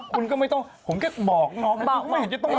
คุณก็ไม่ต้องผมแค่บอกน้อง